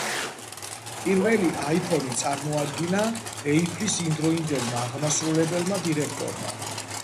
პირველი iPhone წარმოადგინა Apple-ის იმდროინდელმა აღმასრულებელმა დირექტორმა